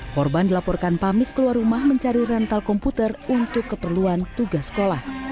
korban dilaporkan pamit keluar rumah mencari rental komputer untuk keperluan tugas sekolah